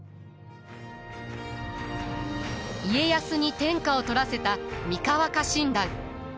家康に天下を取らせた三河家臣団。